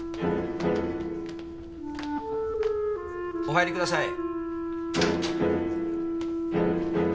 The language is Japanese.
お入りください。